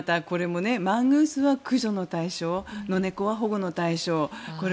また、これもマングースは駆除の対象ノネコは保護の対象。